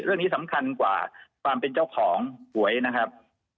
เรื่องนี้สำคัญกว่าความเป็นเจ้าของหวยนะครับ